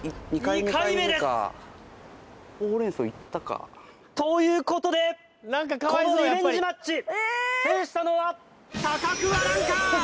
２回目かということでこのリベンジマッチ制したのは高桑蘭佳！